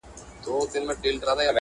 هر سهار به ځناور راټولېدله